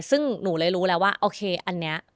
ซึ่งหนูเลยรู้แล้วว่าโอเคอันนี้